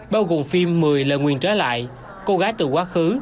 bao gồm phim mười lời nguyên trới lại cô gái từ quá khứ